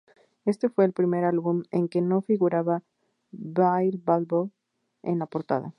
Este fue el primer álbum, en que no figuraba Ville Valo en la portada.